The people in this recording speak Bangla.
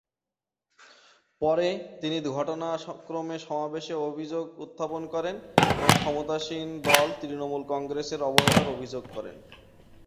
পরে, তিনি ঘটনাক্রমে সমাবেশে অভিযোগ উত্থাপন করেন এবং ক্ষমতাসীন দল তৃণমূল কংগ্রেসের অবহেলার অভিযোগ করেন।